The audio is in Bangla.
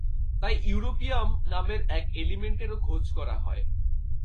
তাই ইউরোপিয়াম নামের এক এলিমেন্টেরও খোজ করা হয়।